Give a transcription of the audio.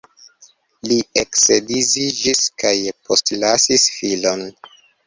Li eksedziĝis kaj postlasis filon.